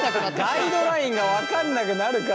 ガイドラインが分かんなくなるから。